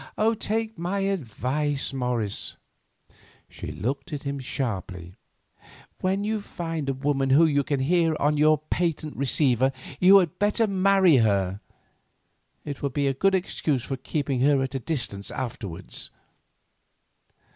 Take my advice, Morris"—and she looked at him sharply—"when you find a woman whom you can hear on your patent receiver, you had better marry her. It will be a good excuse for keeping her at a distance afterwards."